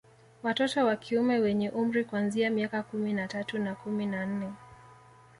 Watoto wa kiume wenye umri kuanzia miaka kumi na tatu na kumi na nne